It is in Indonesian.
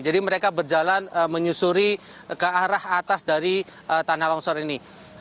jadi mereka berjalan menyusuri ke arah atas dari tanah longsor ini